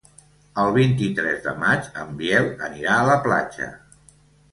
El vint-i-tres de maig en Biel anirà a la platja.